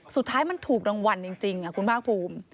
สุดท้ายมันถูกรางวัลจริงคุณภาคภูมิ